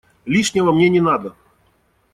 Лишнего мне не надо.